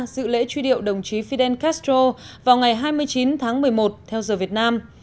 dự lễ truy điệu đồng chí fidel castro vào ngày hai mươi chín tháng một mươi một theo giờ việt nam